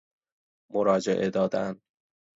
مراجعه دادن